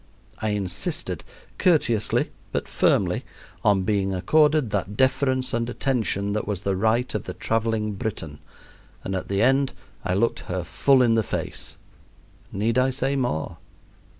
I insisted, courteously but firmly, on being accorded that deference and attention that was the right of the traveling Briton, and at the end I looked her full in the face. Need I say more?